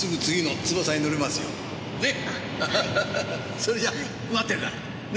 それじゃ待ってるから。ね？